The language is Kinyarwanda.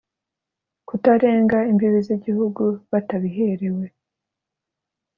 Kutarenga imbibi z Igihugu batabiherewe